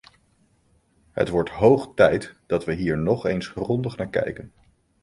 Het wordt hoog tijd dat we hier nog eens grondig naar kijken.